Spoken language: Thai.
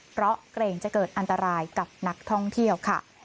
เพราะเกรงจะเกิดอันตรายกับนักท่องเที่ยวค่ะ